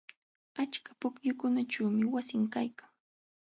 Achka pukyukunaćhuushi wasin kaykan.